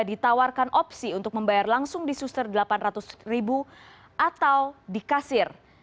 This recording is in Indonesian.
ditawarkan opsi untuk membayar langsung di suster delapan ratus ribu atau di kasir